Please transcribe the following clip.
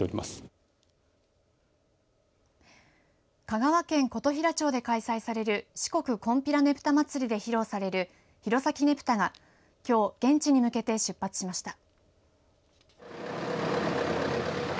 香川県琴平町で開催される四国金毘羅ねぷた祭りで披露される弘前ねぷたがきょう現地に向けて出発しました。